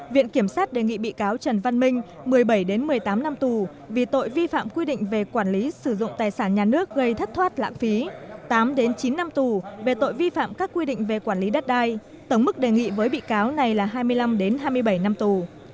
viện kiểm sát đề nghị bị cáo trần văn minh một mươi bảy một mươi tám năm tù vì tội vi phạm quy định về quản lý sử dụng tài sản nhà nước gây thất thoát lãng phí tám chín năm tù về tội vi phạm các quy định về quản lý đất đai tổng mức đề nghị với bị cáo này là hai mươi năm hai mươi bảy năm tù